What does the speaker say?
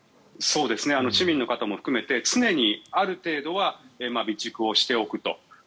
市民の方も含めて常にある程度は備蓄をしておくと。